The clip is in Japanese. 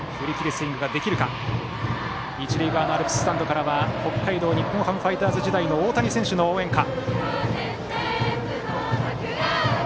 一塁側のアルプススタンドからは北海道日本ハムファイターズ時代の大谷選手の応援歌。